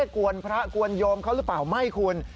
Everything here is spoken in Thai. กวนพระกวนโยมเขาหรือเปล่าไม่คุณ